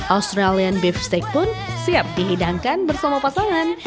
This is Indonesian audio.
australian beef stick pun siap dihidangkan bersama pasangan